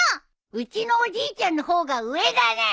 うちのおじいちゃんの方が上だね！